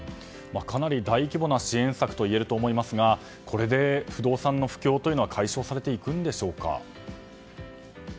かなり大規模な支援策と言えると思いますがこれで不動産の不況は解消されていくんでしょうか。